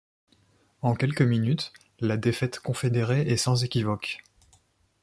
En quelques minutes, la défaite confédérée est sans équivoque.